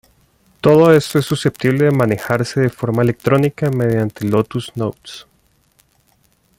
Todo esto es susceptible de manejarse de forma electrónica mediante Lotus Notes.